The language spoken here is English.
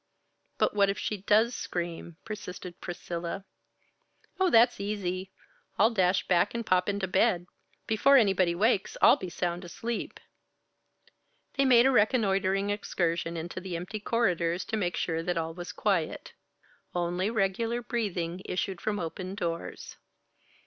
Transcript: "But what if she does scream?" persisted Priscilla. "Oh, that's easy! I'll dash back and pop into bed. Before anybody wakes, I'll be sound asleep." They made a reconnoitering excursion into the empty corridors to make sure that all was quiet. Only regular breathing issued from open doors.